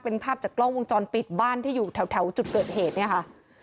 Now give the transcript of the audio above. เป็นภาพจากกล้องวงจรปิดบ้านที่อยู่แถวจุดเกิดเหตุเนี่ยค่ะ